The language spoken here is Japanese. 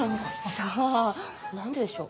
さぁ何ででしょう？